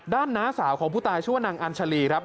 น้าสาวของผู้ตายชื่อว่านางอัญชาลีครับ